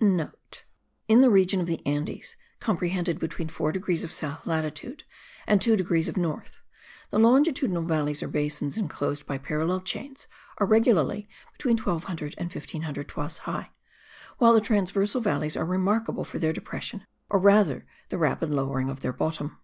*(* In the region of the Andes comprehended between 4 degrees of south latitude and 2 degrees of north, the longitudinal valleys or basins inclosed by parallel chains are regularly between 1200 and 1500 toises high; while the transversal valleys are remarkable for their depression, or rather the rapid lowering of their bottom.